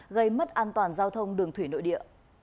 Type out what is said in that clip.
gây mất an toàn giao thông đường thủy nội địa